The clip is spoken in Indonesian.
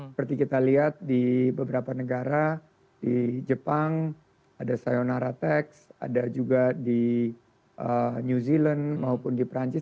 seperti kita lihat di beberapa negara di jepang ada sayonara text ada juga di new zealand maupun di perancis